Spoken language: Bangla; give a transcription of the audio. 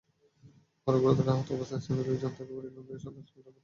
পরে গুরুতর আহত অবস্থায় স্থানীয় লোকজন তাঁকে কুড়িগ্রাম সদর হাসপাতালে ভর্তি করেন।